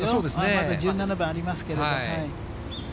まだ１７番ありますけれども。